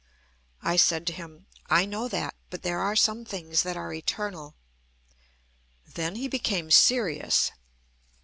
I said to him: "I know that. But there are some things that are eternal." Then he became serious.